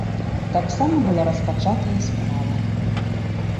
Таксама была распачатая справа.